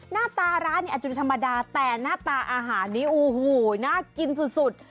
หน้าตาร้านเนี่ยอาจจะธรรมดาแต่หน้าตาอาหารนี้โอ้โหน่ากินสุด